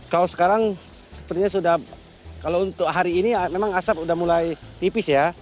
kalau sekarang sepertinya sudah kalau untuk hari ini memang asap sudah mulai tipis ya